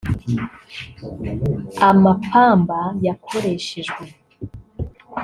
amapamba yakoreshejwe